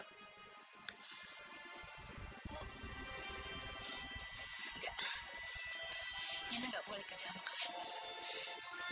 enggak enggak boleh kerja